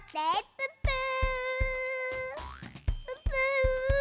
プップー。